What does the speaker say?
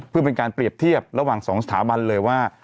เพื่อเป็นการเปรียบเทียบระหว่าง๒สถาบันเลยว่า